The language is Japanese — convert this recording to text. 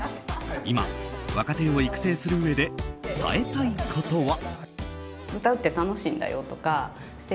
今、若手を育成するうえで伝えたいことは。